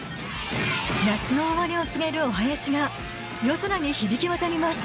夏の終わりを告げるお囃子が夜空に響き渡ります